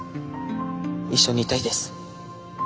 一緒にいたいです。